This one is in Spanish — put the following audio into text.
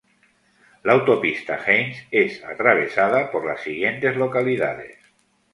La Autopista Haines es atravesada por las siguientes localidades.